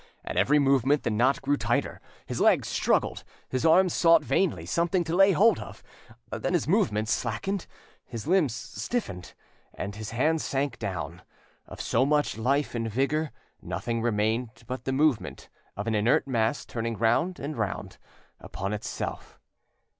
At every movement the knot grew tighter, his legs struggled, his arms sought vainly something to lay hold of; then his movements slackened, his limbs stiffened, and his hands sank down. Of so much life and vigour nothing remained but the movement of an inert mass turning round and round upon itself.